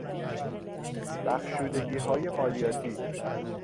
بخشودگیهای مالیاتی